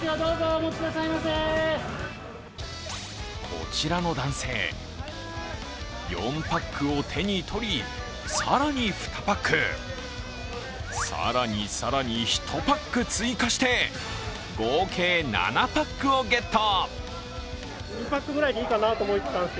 こちらの男性、４パックを手に取り、更に２パック、更に更に１パック追加して、合計７パックをゲット。